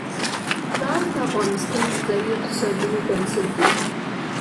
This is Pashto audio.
ګاز د افغانستان د ځایي اقتصادونو بنسټ دی.